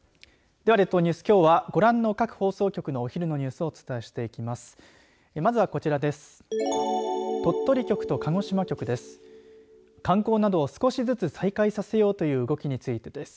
では列島ニュース、きょうはご覧の各放送局のお昼のニュースをお伝えしています。